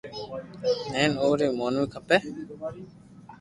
ھين اووي مونوي کپي